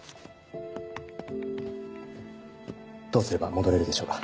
どうすれば戻れるでしょうか？